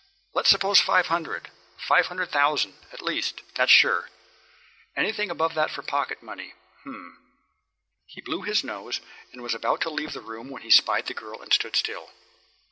Let's suppose five hundred, five hundred thousand, at least, that's sure. Anything above that for pocket money hm " He blew his nose and was about to leave the room when he spied the girl and stood still.